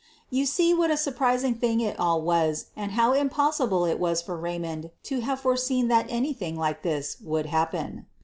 You see what a surprising thing it all was and how impossible it was for Kaymond to have foreseen that anything like this would happen.